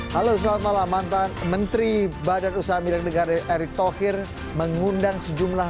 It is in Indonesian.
halo selamat malam mantan menteri badan usaha milik negara erick thohir mengundang sejumlah